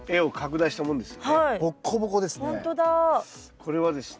これはですね